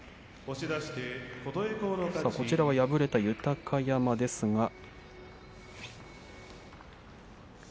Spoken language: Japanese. こちらは敗れた豊山ですが。